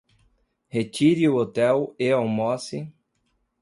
Retire o hotel e almoce